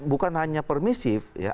bukan hanya permissive